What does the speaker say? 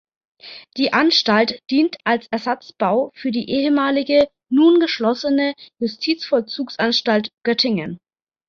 Die Anstalt dient als Ersatzbau für die ehemalige, nun geschlossene, Justizvollzugsanstalt Göttingen.